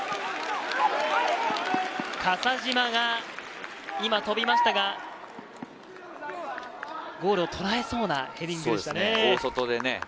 笠島が今、飛びましたが、ゴールをとらえそうなヘディングでしたね。